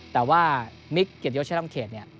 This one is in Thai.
แต่ว่ามิกเกียรติยศใช้ลำเขตเนี่ย